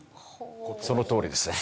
そのとおりですね。